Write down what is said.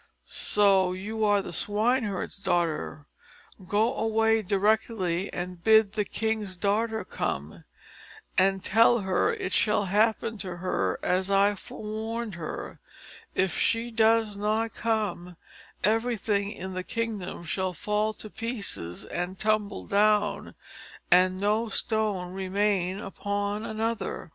"So you are the swineherd's daughter; go away directly, and bid the king's daughter come, and tell her it shall happen to her as I forewarned her; if she does not come, everything in the kingdom shall fall to pieces and tumble down, and no stone remain upon another."